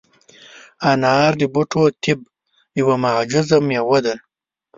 انار د بوټو طب یوه معجزه مېوه ده.